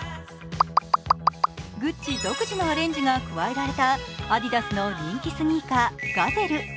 グッチ独自のアレンジが加えられたアディダスの人気スニーカー・ガゼル。